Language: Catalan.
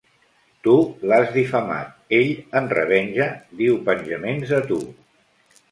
Tu l'has difamat: ell, en revenja, diu penjaments de tu.